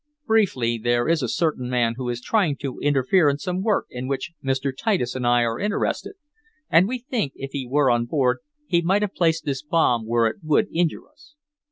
Briefly, there is a certain man who is trying to interfere in some work in which Mr. Titus and I are interested, and we think, if he were on board, he might have placed this bomb where it would injure us."